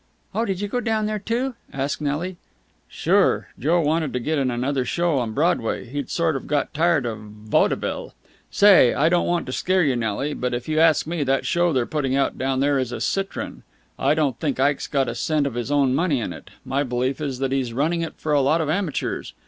"Oh, did you go down there, too?" asked Nelly. "Sure. Joe wanted to get in another show on Broadway. He'd sort of got tired of vodevil. Say, I don't want to scare you, Nelly, but, if you ask me, that show they're putting out down there is a citron! I don't think Ike's got a cent of his own money in it. My belief is that he's running it for a lot of amateurs.